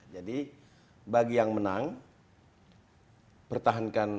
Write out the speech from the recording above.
jadi bagi yang menang pertahankan terus